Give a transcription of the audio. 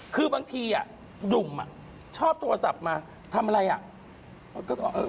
คือบางทีอ่ะหนุ่มชอบโทรศัพท์มาทำอะไรอ่ะ